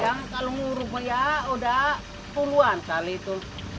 yang kalau nguruknya udah puluhan kali itu